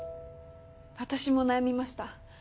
私も悩みました。